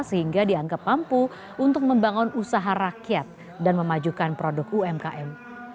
sehingga dianggap mampu untuk membangun usaha rakyat dan memajukan produk umkm